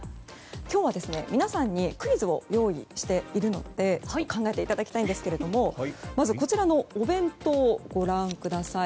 今日は皆さんにクイズを用意しているので考えていただきたいですがまず、こちらのお弁当をご覧ください。